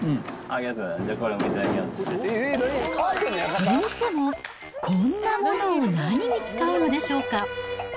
ありがとうございます、それにしても、こんなものを何に使うのでしょうか？